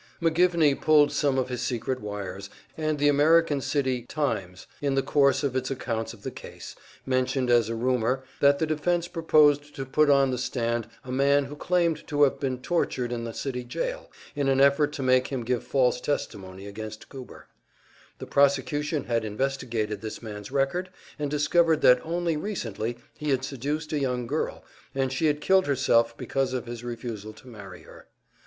McGivney pulled some of his secret wires, and the American City "Times," in the course of its accounts of the case, mentioned a rumor that the defense proposed to put on the stand a man who claimed to have been tortured in the city jail, in an effort to make him give false testimony against Goober; the prosecution had investigated this man's record and discovered that only recently he had seduced a young girl, and she had killed herself because of his refusal to marry her.